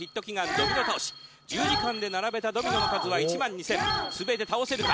ドミノ倒し１０時間で並べたドミノの数は１２，０００すべて倒せるか？